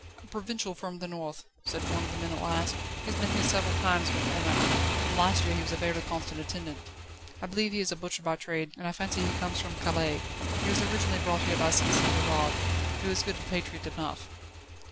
"A provincial from the north," said one of the men at last; "he has been here several times before now, and last year he was a fairly constant attendant. I believe he is a butcher by trade, and I fancy he comes from Calais. He was originally brought here by Citizen Brogard, who is good patriot enough."